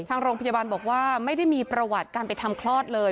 ทางโรงพยาบาลบอกว่าไม่ได้มีประวัติการไปทำคลอดเลย